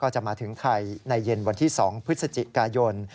จะมาถึงไทยในเย็นวันที่๒พฤศจิกายน